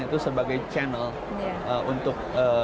itu sebagai channel untuk